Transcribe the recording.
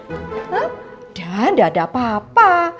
udah gak ada apa apa